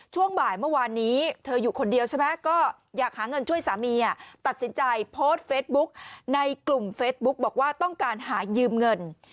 ช่วงบ่ายเมื่อวานนี้เธออยู่คนเดียวใช่ไหมก็อยากหาเงินช่วยสามีตัดสินใจโพสต์เฟซบุ๊กในกลุ่มเฟซบุ๊กบอกว่าต้องการหายืมเงิน